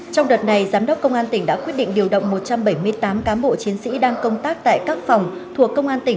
trong đợt này giám đốc công an tỉnh đã quyết định điều động một trăm bảy mươi tám cán bộ chiến sĩ đang công tác tại các phòng thuộc công an tỉnh